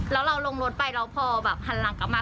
แล้วเราลงรถไปเราพอหันหลังกลับมา